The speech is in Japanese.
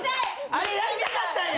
あれやりたかったんや！